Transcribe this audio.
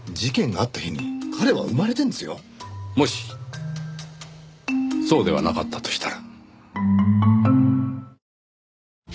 もしそうではなかったとしたら？